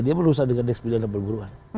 dia perlu berusaha dengan deks pidana perburuhan